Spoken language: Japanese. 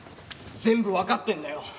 全部わかってるんだよ！